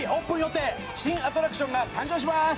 新アトラクションが誕生します！